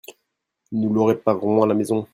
Nous le réparerons à la maison.